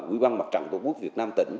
quỹ ban mặt trận tổ quốc việt nam tỉnh